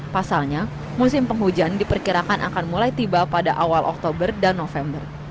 pasalnya musim penghujan diperkirakan akan mulai tiba pada awal oktober dan november